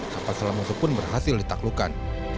kapal selam musuh pun berhasil ditaklukan